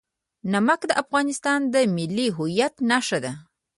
نمک د افغانستان د ملي هویت نښه ده.